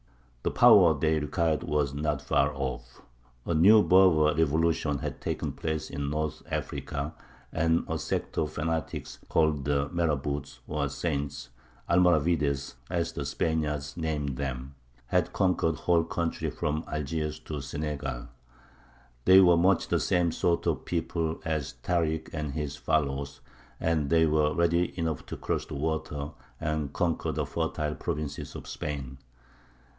The power they required was not far off. A new Berber revolution had taken place in North Africa, and a sect of fanatics, called the marabouts or saints (Almoravides, as the Spaniards named them), had conquered the whole country from Algiers to Senegal. They were much the same sort of people as Tārik and his followers, and they were ready enough to cross the water and conquer the fertile provinces of Spain.